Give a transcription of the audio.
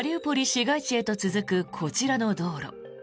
市街地へと続くこちらの道路。